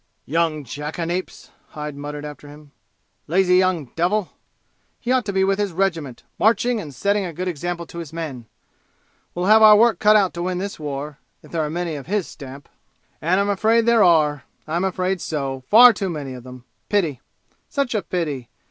"Young jackanapes!" Hyde muttered after him. "Lazy young devil! He ought to be with his regiment, marching and setting a good example to his men! We'll have our work cut out to win this war, if there are many of his stamp! And I'm afraid there are I'm afraid so far too many of 'em! Pity! Such a pity!